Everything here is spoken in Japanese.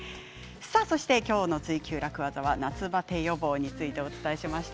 今日の「ツイＱ楽ワザ」は夏バテ予防についてお伝えしました。